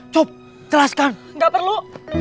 cukup jelaskan nggak perlu